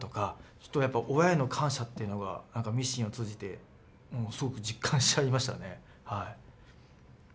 ちょっとやっぱ親への感謝っていうのがミシンを通じてすごく実感しちゃいましたねはい。